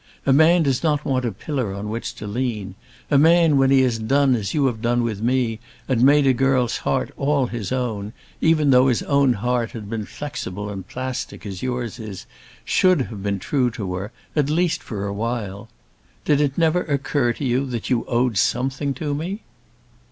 A man does not want a pillar on which to lean. A man, when he has done as you had done with me, and made a girl's heart all his own, even though his own heart had been flexible and plastic as yours is, should have been true to her, at least for a while. Did it never occur to you that you owed something to me?"